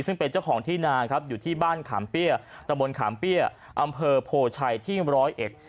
ซึ่งเป็นเจ้าของที่นาครับอยู่ที่บ้านขามเปี้ยตะบนขามเปี้ยอำเภอโพชัยที่ร้อยเอ็ด